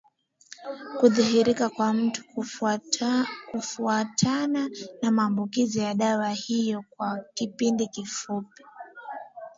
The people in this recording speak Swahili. hudhihirika kwa mtu kufuatana na matumizi ya dawa hiyo kwa vipindi vifupi